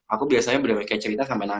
aku biasanya berdiri kayak cerita sampai nangis